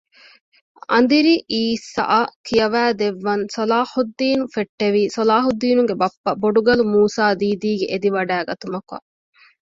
އަނދިރި އީސައަށް ކިޔަވައިދެއްވަން ޞަލާޙުއްދީނު ފެއްޓެވީ ޞަލާހުއްދީނުގެ ބައްޕަ ބޮޑުގަލު މޫސާ ދީދީގެ އެދިވަޑައިގަތުމަކަށް